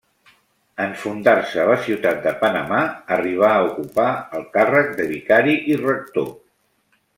En fundar-se la ciutat de Panamà arribà a ocupar el càrrec de vicari i rector.